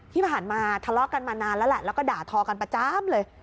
ที่ผ่านมาทะเลาะกันมานานแล้วแหละแล้วก็ด่าทอกันประจำเลย